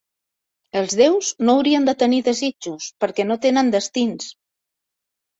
Els déus no haurien de tenir desitjos perquè no tenen destins.